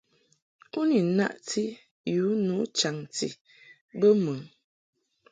U ni naʼti yu nu chaŋti bə mɨ ?